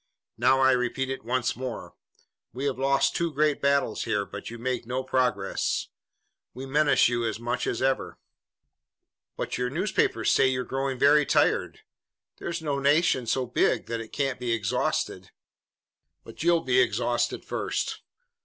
Now I repeat it once more. We have lost two great battles here, but you make no progress. We menace you as much as ever." "But your newspapers say you're growing very tired. There's no nation so big that it can't be exhausted." "But you'll be exhausted first.